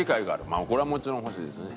これはもちろん欲しいですね。